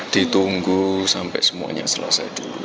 ditunggu sampai semuanya selesai dulu